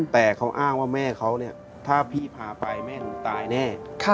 แต่เขาอ้างว่าแม่เขาเนี่ยถ้าพี่พาไปแม่หนูตายแน่